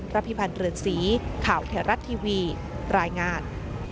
ระภิพันธ์เรือนศรีข่าวแถวรัฐทีวีตรายงาน